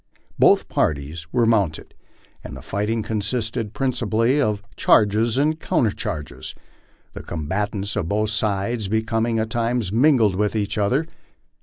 Both parties were mounted, and the fighting consisted principally of charges and counter charges, the combatants of both sides becoming at times mingled with each ether.